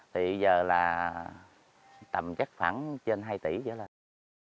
thì giờ là tầm chắc khoảng trên hai tỷ trở lên